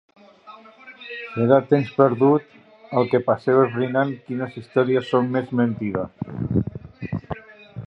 Serà temps perdut el que passeu esbrinant quines històries són més mentida.